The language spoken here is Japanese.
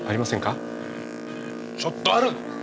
ちょっとある。